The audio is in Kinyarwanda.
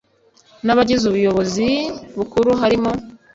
N abagize ubuyobozi bukuru harimo